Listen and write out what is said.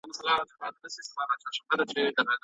دورکهايم ډېر ارقام راټول کړي دي.